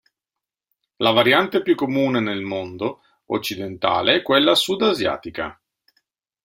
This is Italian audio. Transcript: La variante più comune nel mondo occidentale è quella sud asiatica.